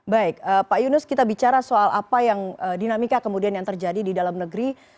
baik pak yunus kita bicara soal apa yang dinamika kemudian yang terjadi di dalam negeri